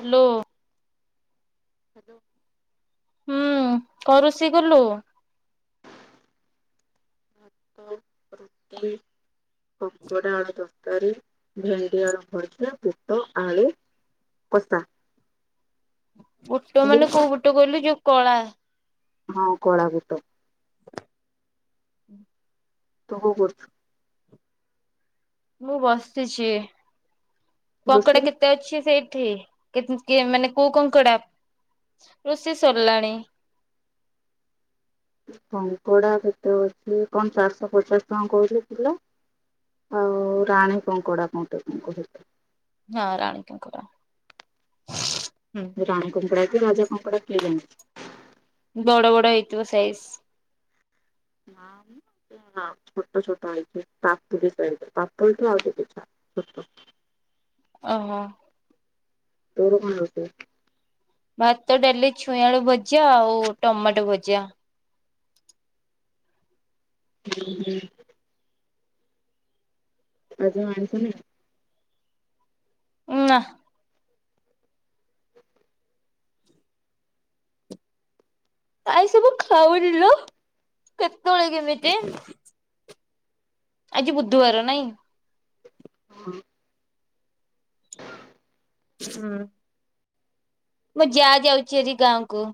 Hello. [inaudible] ହୁଁ କଣ ରୋଷେଇ କଲୁ? [unintelligible] କଙ୍କଡା ଆଳୁ ତରକାରୀ ଭେଣ୍ଡି ଆଳୁ ଭଜା ବୁଟ ଆଳୁ କଷା ବୁଟ ତୁ ମାନେ କୋଉ ବୁଟ କହୀଲୁ ଯୋଉ କଳା ହଁ କଳାବୁଟ ହୁଁ। ତୁ କଣ କରଛୁ? ମୁଁ ବସିଛି କଙ୍କଡା ରୋଷେଇ କେତେ ଅଛି ସେଇ ଟି ତେ ମାନେ କୋଉ କଙ୍କଡା? ରୋଷେଇ ସରିଲାଣି। [inaudible] କଙ୍କଡା କେତେ ଅଛି କଣ ଚାର୍ଷ ପଚାଶ ଟଙ୍କା କହୁଥିଲେ କିଲୋ। ଆଉ ରାଣୀ କଙ୍କଡା ଗୋଟେ ତାଙ୍କ ଭିତରୁ ହଁ ରାଣୀ କଙ୍କଡା। ହୁଁ ରାଣୀ କଙ୍କଡା କି ରାଜା କଙ୍କଡ଼ା କିଏ ଜାଣେ? ବଡ଼ ବଡ଼ ହେଇଥିବ ସାଇଜ଼ ଛୋଟ ଛୋଟ ହେଇଥିବ ପାପୁଲି ସାଇଜ଼ ପପୁଲି ଠୁ ଆହୁରି ଛୋଟ। ଛୋଟ ଓହୋ। ତୋର କଣ ରୋଷେଇ? ଭାତ ଡାଲି ଛୁଇଁ ଆଳୁ ଭଜା ଆଉ ଟମାଟୋ ଭଜା ହ ହ ଆଜି ଆଉ ଆଇଁଶ ନାହିଁ? ନାହା ଆଇଁସ ମୁ ଖାଉନିଲୋ କେତେବେଳେ କେମିତି ଆଜି ବୁଧୁ ବାର ନାଇଁ? ଉଁ। ହୁଁ ମୁଁ ଯା ଯାଉଛି ଆଜି ଗାଁକୁ।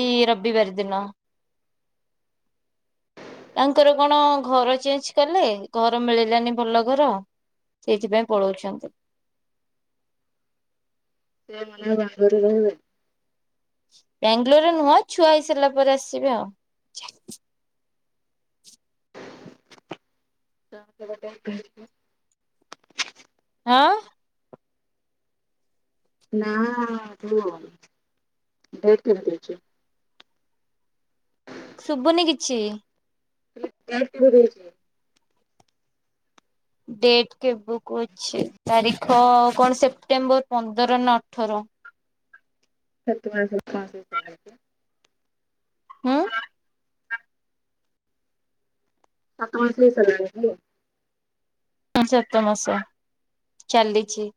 ଏଇ ରବିିବାର ଦିନ। ତାଙ୍କର କଣ ଘର ଚେଞ୍ଜ କଲେ ଘର ମିଳିଲାନି ଭଲ ଘର। ସେଇଥିପାଇଁ ପଳଉଛନ୍ତି। ନନାଙ୍କ ବାହାଘର କୁ ରହିବେ। ବାଙ୍ଗାଲୋରରେ ନୁହଁ ଛୁଆ ହେଇସାରିଲା ପରେ ଆସିବେ ଆଉ। ସେ ଗୋଟେ ଅଘାସୁର। ହାଁ। ନାଆ ସେ ଯୋଉ ଦେହ କେମିତି ଅଛି। ଶୁବୁନି କିଛି। [unintelligible] ଡେଟ୍ କେବେକୁ ଅଛି ତାରିଖ କଣ ସେପ୍ଟେମ୍ବର ପନ୍ଦର ନା ଅଠର। ସେଥିପାଇଁ ସେ ଲୋକ ଆସିଥିଲା ଦେଖୁନୁ। ହୁଁ। [unintelligible] ସାତ ମାସ ଚାଲିଛି।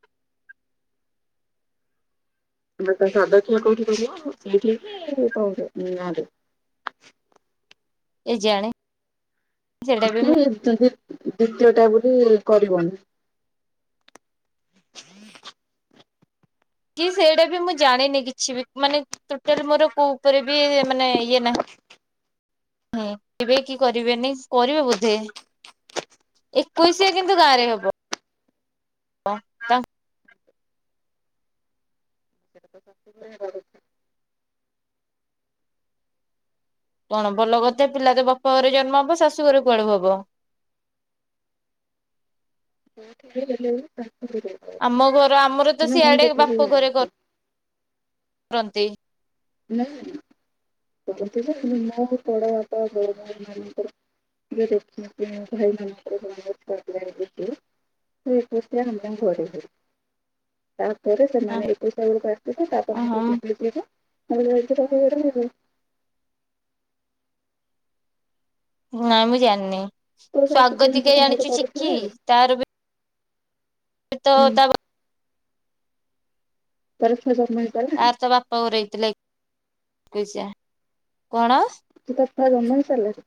ଲୋକ ସାଦଖିଆ କୋଉଠି କରିବ ଏଇଠିକି ତମ ଗାଁରେ। [inaudible] ଏ ଜାଣେ। ତୁ କାଇଁ ଏତେ ଦବୁ। ଦ୍ଵିତୀୟ ଟା ବୋଲି କରିବନି। କି ସେଇଟା ବି ମୁଁ ଜାଣିନି କିଛି ବି ମାନେ ଟୋଟାଲ ମୋର କୋଉ ଉପରେ ବି ମାନେ ଇଏ ନାହିଁ। ହୁଁ ଏବେ କି କରିବେନି କରିବେ ବୋଧେ। ଏକୋଇସିଆ କିନ୍ତୁ ଗାଁରେ ହବ। ହଁ ତା କଣ ଭଲ କଥା ପିଲା ତ ବାପା ଘରେ ଜନ୍ମ ହବ ଶାଶୁଘର କୁଆଡେ ହବ। କୋଉଠି ନେଲେ ତାକୁ ହିଁ ଦେଇଦେବ ଆମ ଘର ଆମର ତ ହେଲେ ମୁଁ ସିଆଡେ ଦେଖି ଥିଲି ଆଉ କିଏ। ରନ୍ତି। ନାଇଁ କରନ୍ତି ଯେ ହେଲେ ମୋ ବଡ଼ବାପା ବଡ଼ଭାଇମାନଙ୍କର [unintelligible] ଭାଇମାନଙ୍କର [unintelligible] [unintelligible] ତାଙ୍କ ଘରେ [unintelligible] ତାପରେ ହଁ ସେମାନେ ଏକୋଇଶା ବେଳକୁ ଆସିଥିଲେ ତାପରେ ହଁ। [unintelligible] ନାଇଁ ମୁଁ ଜାଣିନି ତୋ ଶାଶୁ କେମିତି ସ୍ୱାଗତିକା କଣ ଗୋଟେ ଜାଣିଛୁ ଶି କିି କରୁଥିଲେ ଆଉ। ତାର ବି ସେ ତ ହୁଁ। ତା ବା ପରିକ୍ଷା ସବୁ ମିଳ ସାରିଲାଣି। ଇକ୍ କୋଇସା କଣ? [unintelligible] ଟିକି ଟୁ ଛୁଆ ଜନ୍ମ ହେସରଲାଣିି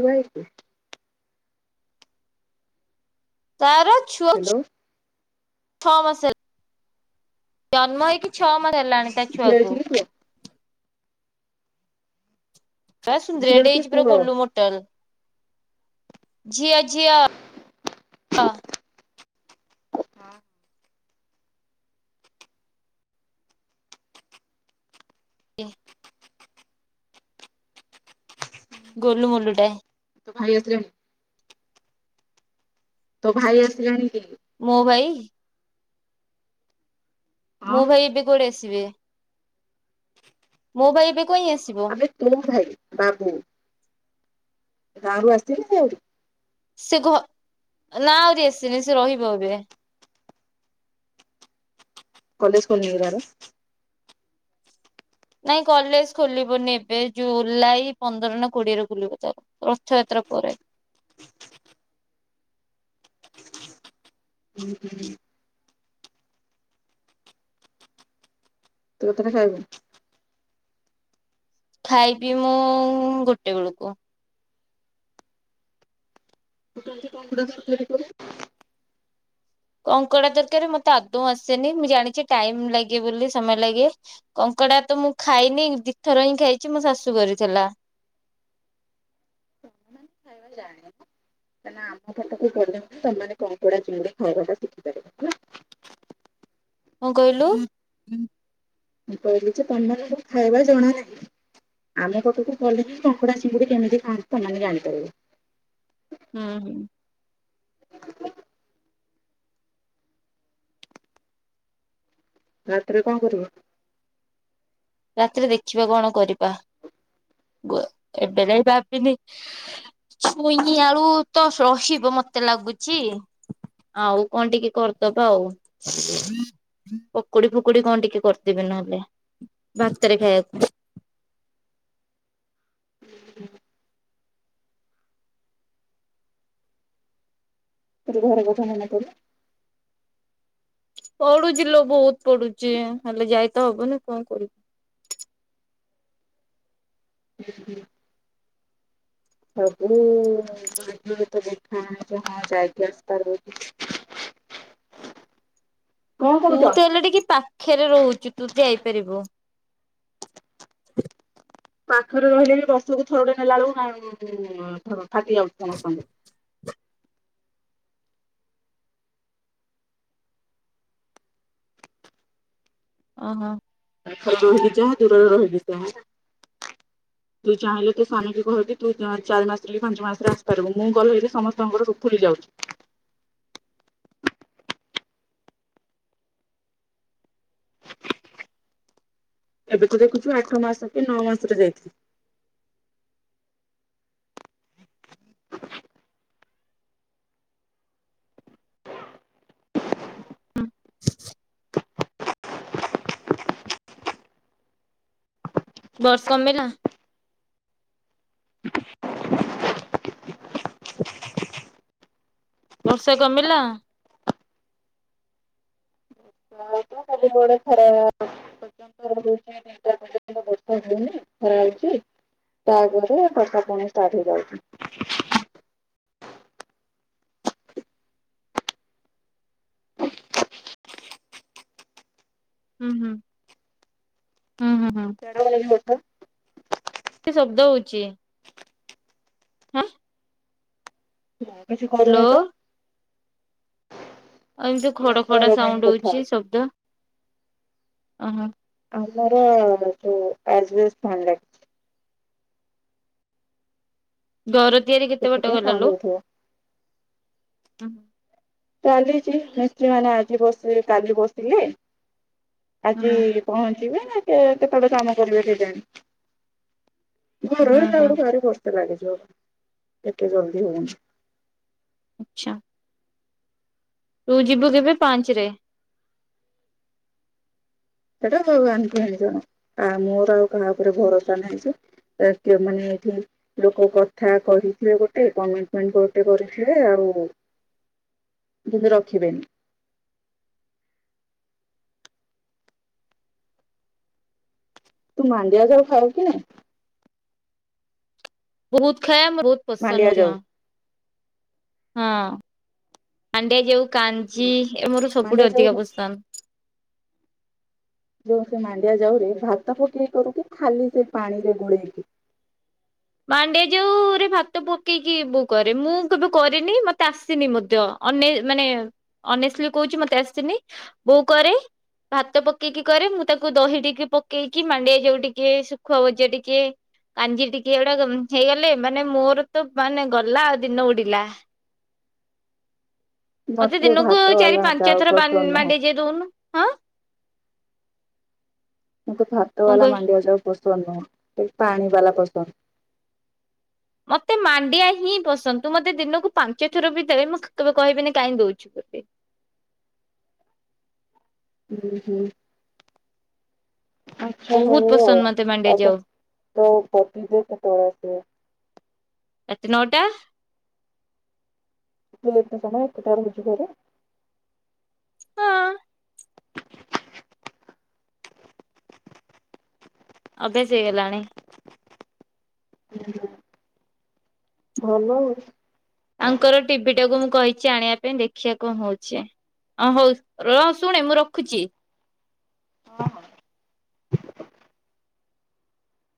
ଏଇ [unintelligible] ବାହକ ତାର ଛୁଅ ହ୍ୟାଲୋ ଛଅ ମାସ ହେଲା ଜନ୍ମ ହେଇକି ଛଅ ମାସ ହେଲାଣି ତା ଝିଅ ହେଇଛି ଛୁଆକୁ। କି ପୁଅ ପୁରା ଝିଅ ସୁନ୍ଦରିଆଟିଏ କି ହେଇଚି ପୁରା ପୁଅ? ଗୋଲୁ ମୋଟଲ। ଝିଅ ଝିଅ। ହଁ। [inaudible] ଗୋଲୁ ମଲୁ ଟାଏ। ତ ଭାଇ ଆସିଲାଣି। ତୋ ଭାଇ ଆସିଲାଣି କି? ମୁଁବାଇ? ମୁଁ ହଁ ଭାଇ ଏବେ କୁଆଡ଼େ ଆସିବେ, ମୋ ଭାଇ ଏବେ କାଇଁ ଆସିବ ଆ-ମେ ଦୁଇ ଭାଇ, ବାବୁ ଗାଁ ରୁ ଆସିଥିଲେ ଯାଇ ସେ ଘ ନା ଆହୁରି ଆସିନି ସେ ରହିବ ଏବେ। ହ କଲେଜ ଖୋଲିନି କି ତାର? ନାଇଁ କଲେଜ ଖୋଲିବନି ଏବେ ଜୁଲାଇ ପନ୍ଦର ନା କୋଡିଏରେ ଖୋଲିବ ତାଉ ରଥଯାତ୍ରା ପରେ ହୁଁ ହୁ ହୁଁ। ତୁ କତଟ ଖାଇବୁ? ଖାଇବି ମୁଁ ଗୋଟେ ବେଳକୁ କଣ ଗୋଟେ ତରକାରି କର କଙ୍କଡା ତରକାରି ମତେ ଆଦୌ ଆସେନି ମୁଁ ଜାଣିଚି ଟାଇମ ଲାଗେ ବୋଲି ସମୟ ଲାଗେ କଙ୍କ କଙ୍କଡା ତ ମୁଁ ଖାଇନି ଦି ଥର ହିଁ ଖାଇଚି ମୋ ଶାଶୁ କରିଥିଲା। [inaudible] ଖାଇବା ଜାଣେ କାହିଁକିନା ଆମ ପାଟକୁ ପଢିଆ ସେମାନେ କମ୍ପଡା ଚିଙ୍ଗୁଡି ଖାଇବା ଟା ଶିଖି ପାରିବ ହେଲା। ହଁ କହିଲୁ। ମୁଁ କହିଲି ଯେ ତମମାନଙ୍କୁ ଖାଇବା ଜଣା ନାହିଁ। ଆମେ କଟକୁ ଗଲେ ହି କଙ୍କୁଡା ସିଙ୍ଗୁଡି କେମିତି କଣ ତମେ ଜାଣିପାରିବୁ। ହୁଁ ହୁଁ। ରାତିରେ କଣ କରିବ? ରାତିରେ ଦେଖିବା କଣ କରିବା ଗ ଏବେ ଯାଇ ଭାବିନି ଛୁଇଁନି ଆଉ ତ ରହିବ। ମତେ ଲାଗୁଛି ଆଉ କଣ ଟିକେ କରିଦବା ଆଉ । ପକୁଡି ଫୁକୁଡି କଣ ଟିକେ କରିଦେବି ନହେଲେ । ଭାତରେ ଖାଇବାକୁ। ମୋତେ ଘରେ କଥା ମନେ ପଇଲା। ପଢୁଛି ଲୋ ବହୁତ ପଢୁଛି ହେଲେ ଯାଇତ ହବନି କଣ କରିବୁ । [inaudible] ସବୁ ଭାଗ୍ୟରେ ତ ଲେଖା ଯାହା ଯାଇକି ଆସିପାରିବ । [inaudible] କଣ ତୁ କହୁଛ? ତ ହେଲେ ଟିକେ ପାଖରେ ରହୁଛୁ ତୁ ଯାଇପାରିବୁ । [inaudible] ପାଖରେ ରହିଲେ ବି ବର୍ଷକୁ ଥରଟେ ନେଲା ବେଳକୁ ଗାନ୍ ଫାଟି ଯାଉଛି ସମସ୍ତଙ୍କର। [inaudible] ଓ ହୋ। ପାଖରେ ରହିଲେ ଯାହା ଦୂରରେ ରହିବି ତାହା ତୁ ଚାହିଁଲେ ତ ସ୍ବାମୀକୁ କହିକି ତୁ ଚାରି ମାସରେ କି ପାଞ୍ଚ ମାସରେ ଆସିପାରିବୁ । ମୁଁ କହିଲେ ସମସ୍ତଙ୍କର ସବୁ ଉତୁରୀ ଯାଉଛି । [inaudible] [inaudible] ଏବେ ତ ଦେଖୁଛୁ ଆଠ ମାସ କି ନଅ ମାସରେ ଯାଇଥିଲି । ବର୍ଷ ମେଲା ବର୍ଷା କମିଲା? [unintelligible] କମୁନି ଖରା ହେଉଛି। ତାପରେ ବର୍ଷା ପୁଣି ଷ୍ଟାର୍ଟ ହେଇଯାଉଚି । ହୁଁ ହୁଁ ହୁଁ ହୁଁ ହୁଁ । ମୋର ଏ ମତ ଶବ୍ଦ ହଉଚି। ହୁଁ। ମୁଁ କିଛି କରୁନି ତ। ଆଉ ଏମିତି ଇୟର ଖଡ଼ ଫୋନ ଖଡ଼ ଲଗେଇକି ସାଉଣ୍ଡ କଥା ହଉଛି ଶବ୍ଦ ଓହୋ। ଆମର ଯଉ ଆଜବେଷ୍ଟ ଫୋନ୍ ଲାଗିଚି। ଘର ତିଆରି କେତେ ବାଟ ସେଥିପାଇଁ ଗଲା ସାଉଣ୍ଡ ଲ। ହଉଥିବ ଚାଲିଛି ମିସ୍ତ୍ରୀ ମାନେ ଆଜି ବସିଲେ କାଲି ବସିଲେ । ହୁଁ ଆଜି ପହଞ୍ଚିବେ ନା କେ କେତେବେଳେ କାମ କରିବେ କେଜାଣି। ହୁଁ ଘଡ଼ଘଡି ହୁଁ ତାପରେ ସିଆଡେ ବର୍ଷା ଲାଗିଛି । ଏତେ ଜଲଦି ହଉନି। ଆଚ୍ଛା । ତୁ ଯିବୁ କେବେ ପାଞ୍ଚରେ । ସେଟା ଆଉ ପାଞ୍ଚ ଜଣ ମୋର ଆଉ କାହା ଉପରେ ଭରସା ନାହିଁ ଯେ ମାନେ ଏଠି ଲୋକ କଥା କହିଥିବେ ଗୋଟେ କମିଟମେଣ୍ଟ ଗୋଟେ କରିଥିବେ ଆଉ [inaudible] କିନ୍ତୁ ରଖିବେନି । [inaudible] ତୁ ମାଣ୍ଡିଆ ଯାଉ ଖାଉ କି ନାଇ । ବହୁତ ଖାଏ ବହୁତ ମାଣ୍ଡିଆ ପସନ୍ଦ ମଧ୍ୟ। ଯାଉ ହଁ ମାଣ୍ଡିଆ ଯଉ କାଞ୍ଜି ଏ ମୋର ମାଣ୍ଡିଆ ସବୁଠୁ ଯାଉ ଅଧିକା ପସନ୍ଦ। ଯୋଉ ସେ ମାଣ୍ଡିଆ ଯାଉରେ ଭାତ ପକେଇ କରୁ କି ଖାଲି ସେ ପାଣି ରେ ଗୋଳେଇକି। [inaudible] ମାଣ୍ଡିଆ ଯାଉରେ ଭାତ ପକେଇକି ବୋଉ କରେ ମୁଁ କେବେ କରିନି ମତେ ଆସିନି ମଧ୍ୟ ଅ ନେ ମାନେ ଅନେଷ୍ଟଲି କହୁଛି ମତେ ଆସେନି ବୋଉ କରେ। ଭାତ ପକେଇକି କରେ ମୁଁ ତାକୁ ଦହି ଟିକେ ପକେଇକି ମାଣ୍ଡିଆ ଯାଉ ଟିକେ ଶୁଖୁଆ ବଜା ଟିକେ କାଞ୍ଜି ଟିକେ ଏଗୁଡା ହେଇଗଲେ ମାନେ ମୋର ତ ମାନେ ଗଲା ଆଉ ଦିନ ଉଡ଼ିଲା। ମତେ ଦିନକୁ ଭାତ ଚାରି ବାଲା ପାଞ୍ଚ ଯାଉ ଥର ପସନ୍ଦ ନୁହଁ ମାଣ୍ଡିଆ ଯାଉ ଦଉନୁ ଆ। ମତେ ଭାତ ବାଲା କହିଲୁ ମାଣ୍ଡିଆ ଯାଉ ପସ ସନ୍ଦ୍ ନୁହ ପାଣି ବାଲା ପସନ୍ଦ। ମତେ ମାଣ୍ଡିଆ ହିଁ ପସନ୍ଦ ତୁ ମତେ ଦିନକୁ ପାଞ୍ଚ ଥର ବି ଦେ ମୁଁ କେବେ କହିବିନି କାହିଁ ଦଉଚୁ। [unintelligible] ହୁଁ ହୁଁ। ଆଛା ବହୁତ ହଉ ପସନ୍ଦ ମତେ ମାଣ୍ଡିଆ ଆଉ ଯାଉ ତ ପତିଦେବ କେତେବେଳେ ଆସିବେ। ରାତି ନଅଟା। ତୁ ଏତେ ସମୟ ଏକା ରହୁଛି ଘରେ। ହଁ ଅଭ୍ୟାସ ହେଇଗଲାଣି। ଉହୁଁ ଭଲ ଆଉ। ୟାଙ୍କର ଟିଭିଟାକୁ ମୁଁ କହିଛି ଆଣିବା ପାଇଁ ଦେଖିବା କଣ ହଉଚି। ଅ ହଉ ର ଶୁଣେ ମୁଁ ରଖୁଚି। ହଁ ହଁ।